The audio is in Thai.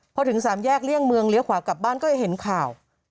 พอถึงสามแยกเลี่ยงเมืองเลี้ยวขวากลับบ้านก็จะเห็นข่าว